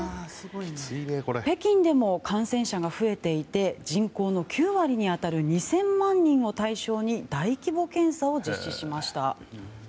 北京でも感染者が増えていて人口の９割に当たる２０００万人を対象に大規模検査を実施しました。